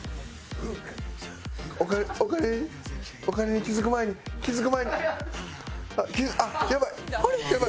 お金お金にお金に気付く前に気付く前に。